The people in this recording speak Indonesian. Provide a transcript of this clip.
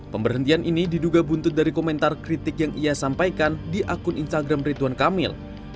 pemberhentian ini diduga buntut dari komentar kritik yang ia sampaikan di akun instagram rituan kamil